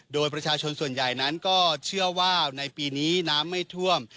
โดยประชาชนส่วนใหญ่นั้นก็เชื่อว่าในปีนี้น้ำไม่ท่วม